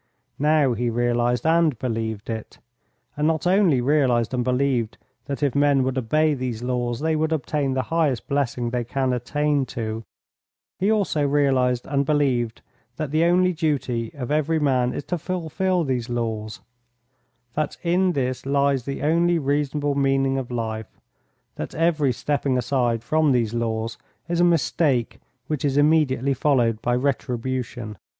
Now he realised and believed it, and not only realised and believed that if men would obey these laws they would obtain the highest blessing they can attain to, he also realised and believed that the only duty of every man is to fulfil these laws; that in this lies the only reasonable meaning of life, that every stepping aside from these laws is a mistake which is immediately followed by retribution.